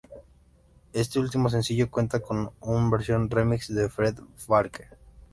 Este último sencillo cuenta con un versión remix de Fred Falke.